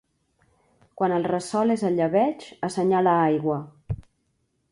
Quan el ressol és a llebeig, assenyala aigua.